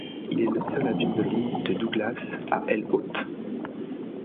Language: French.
Il est le seul avion de ligne de Douglas à aile haute.